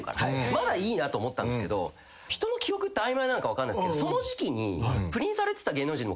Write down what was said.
まだいいなと思ったんですけど人の記憶って曖昧なのか分かんないですけどその時期に。